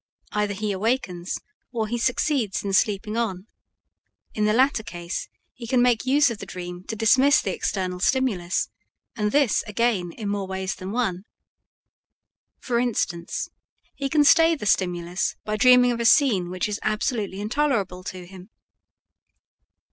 Either he awakens or he succeeds in sleeping on. In the latter case he can make use of the dream to dismiss the external stimulus, and this, again, in more ways than one. For instance, he can stay the stimulus by dreaming of a scene which is absolutely intolerable to him.